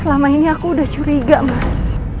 selama ini aku udah curiga mas